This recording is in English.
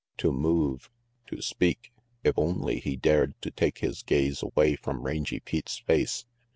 To move! To speak! If only he dared to take his gaze away from Rangy Pete's face.